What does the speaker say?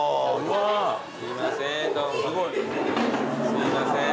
すいません。